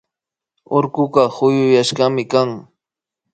Urkuka puyuyashkami kan